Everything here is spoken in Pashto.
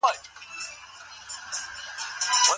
د پرمختګ لاره د وروسته پاتې والي په پرتله روښانه ده.